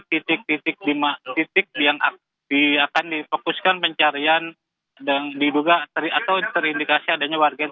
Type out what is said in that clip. titik titik yang akan difokuskan pencarian dan diduga atau terindikasi adanya warga yang